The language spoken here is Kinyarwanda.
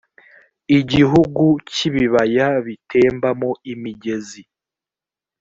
igihugu cy ibibaya bitembamo imigezi